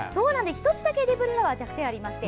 １つだけエディブルフラワーは弱点がありまして